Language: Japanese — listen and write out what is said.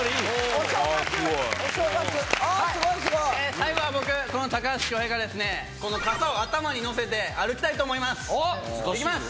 最後は僕この高橋恭平がですねこの傘を頭をのせて歩きたいと思います！